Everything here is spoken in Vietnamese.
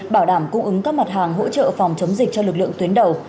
bảo đảm cung ứng các mặt hàng hỗ trợ phòng chống dịch cho lực lượng tuyến đầu